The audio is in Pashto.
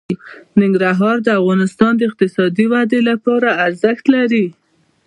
ننګرهار د افغانستان د اقتصادي ودې لپاره ارزښت لري.